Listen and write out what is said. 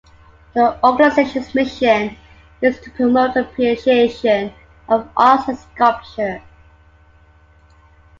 The organization's mission is to promote the appreciation of arts and sculpture.